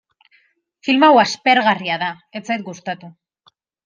Film hau aspergarria da, ez zait gustatu.